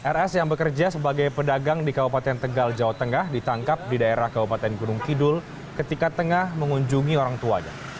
rs yang bekerja sebagai pedagang di kabupaten tegal jawa tengah ditangkap di daerah kabupaten gunung kidul ketika tengah mengunjungi orang tuanya